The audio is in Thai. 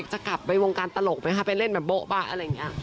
จะกลับไปวงการตลกไหมคะไปเล่นแบบโบ๊บะอะไรอย่างนี้